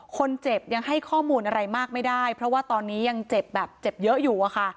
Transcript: คนเจ็บยังให้ข้อมูลอะไรมากไม่ได้เพราะว่าตอนนี้ยังเจ็บแบบเจ็บเยอะอยู่อะค่ะ